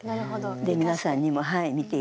で皆さんにもはい見て頂けるように。